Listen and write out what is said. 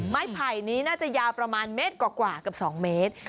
ไผ่นี้น่าจะยาวประมาณเมตรกว่ากับ๒เมตร